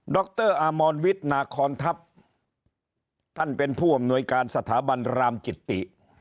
รอมรวิทย์นาคอนทัพท่านเป็นผู้อำนวยการสถาบันรามจิตติ